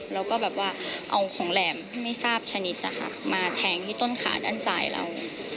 แล้วก็แบบว่าเอาของแหลมที่ไม่ทราบชนิดนะคะมาแทงที่ต้นขาด้านซ้ายเรา